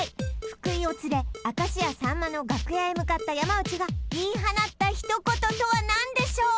福井を連れ明石家さんまの楽屋へ向かった山内が言い放った一言とは何でしょう？